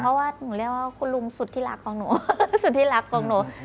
เพราะว่าหนูเรียกว่าคุณลุงสุดที่รักของหนู